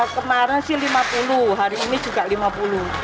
kemarin sih lima puluh hari ini juga lima puluh